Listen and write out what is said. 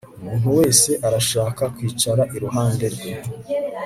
Umuntu wese arashaka kwicara iruhande rwe